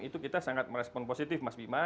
itu kita sangat merespon positif mas bima